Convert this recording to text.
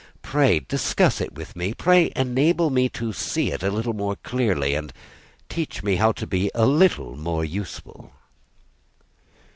Pray discuss it with me; pray enable me to see it a little more clearly, and teach me how to be a little more useful."